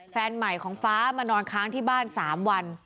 แฟนใหม่ของฟ้ามานอนค้างที่บ้าน๓วัน